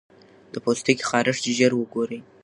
د پوستکي خارښت ژر وګورئ.